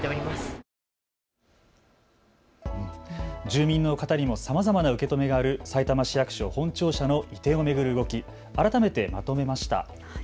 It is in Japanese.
住民の方にもさまざまな受け止めがあるさいたま市役所本庁舎の移転を巡る、動き改めてまとめました。